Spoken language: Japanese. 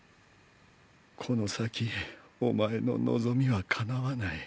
この先お前の望みは叶わない。